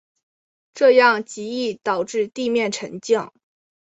这样极易导致地面沉降。